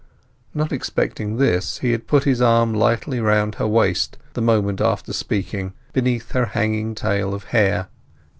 Not expecting this, he had put his arm lightly round her waist the moment after speaking, beneath her hanging tail of hair.